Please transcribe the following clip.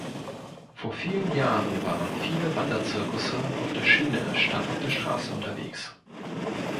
Vor vielen Jahren waren viele Wanderzirkusse auf der Schiene statt auf der Straße unterwegs.